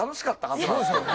そうですよね。